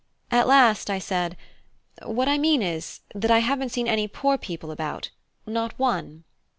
At last I said: "What I mean is, that I haven't seen any poor people about not one."